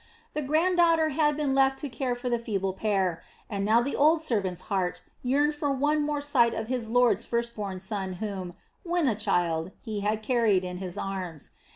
The grand daughter had been left to care for the feeble pair, and now the old servant's heart yearned for one more sight of his lord's first born son whom, when a child, he had carried in his arms.